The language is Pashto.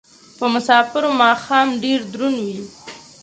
په مسافرو ماښام ډېر دروند وي